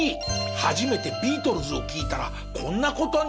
初めてビートルズを聴いたらこんな事に。